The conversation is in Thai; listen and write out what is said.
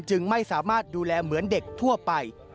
จึงไม่สามารถดูแลเหมือนเด็กทั่วไป